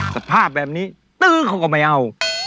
สภาพแบบนี้ตื้อเขาก็ไม่เอา